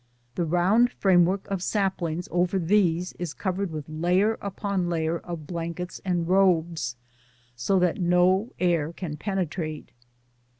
The round framework of saplings over these is covered with layer upon layer of blankets and robes, so that no air can penetrate.